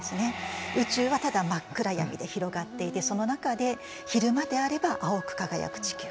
宇宙はただ真っ暗闇で広がっていてその中で昼間であれば青く輝く地球。